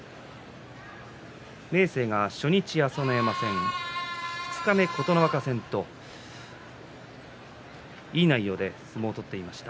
明生が初日、朝乃山戦二日目、琴ノ若戦といい内容で相撲を取っていました。